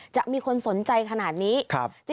จะมีคนสนใจขนาดนี้